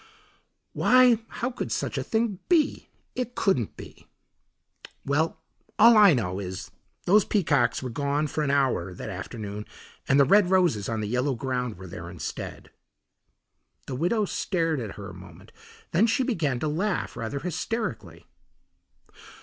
"Why, how could such a thing be? It couldn't be." "Well, all I know is those peacocks were gone for an hour that afternoon and the red roses on the yellow ground were there instead." The widow stared at her a moment, then she began to laugh rather hysterically.